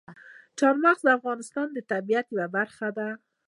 چار مغز د افغانستان د طبیعت یوه برخه ده.